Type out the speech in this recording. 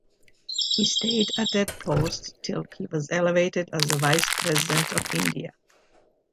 He stayed at that post till he was elevated as Vice-President of India.